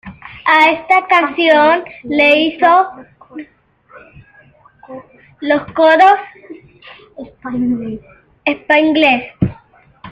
A esta canción le hizo los coros Spike Lee.